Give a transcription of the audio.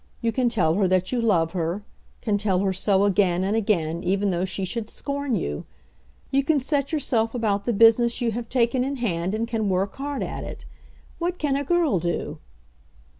You can tell her that you love her; can tell her so again and again even though she should scorn you. You can set yourself about the business you have taken in hand and can work hard at it. What can a girl do?"